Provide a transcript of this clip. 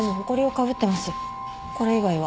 これ以外は。